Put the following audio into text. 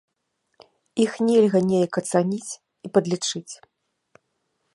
Іх нельга неяк ацаніць, падлічыць.